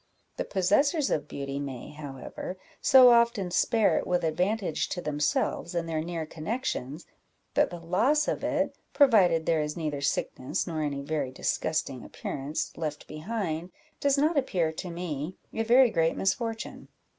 The possessors of beauty may, however, so often spare it with advantage to themselves and their near connections, that the loss of it, provided there is neither sickness, nor any very disgusting appearance, left behind, does not appear to me a very great misfortune."